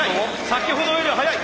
先ほどよりは速い！